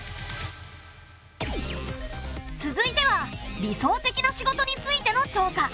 続いては理想的な仕事についての調査。